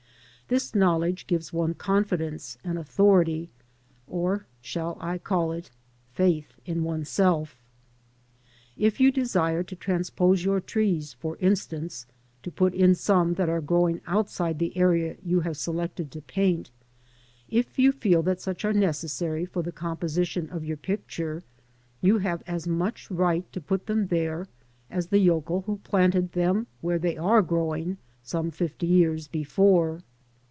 This knowledge gives one confidence and authority, or, shall I call it, faith in oneself? If you desire to transpose your trees, for instance, to put in some that are grow ing outside the area you have selected to paint, if you feel that such are necessary for the composition of your picture, you have as much right to put them there as the yokel who planted them where they are growing some fifty years before.